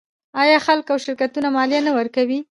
آیا خلک او شرکتونه مالیه نه ورکوي؟